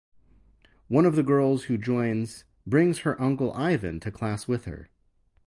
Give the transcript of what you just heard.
One of the girls who joins brings her uncle Ivan to class with her.